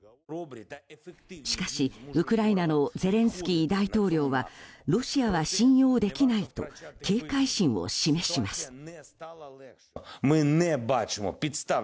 しかし、ウクライナのゼレンスキー大統領はロシアは信用できないと警戒心を示します。